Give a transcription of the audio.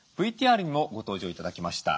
ＶＴＲにもご登場頂きました